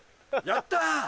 やったぁ！